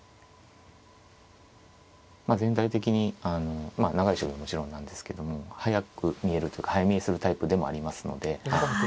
まあ全体的に長い将棋はもちろんなんですけども早く見えるというか早見えするタイプでもありますのでまあ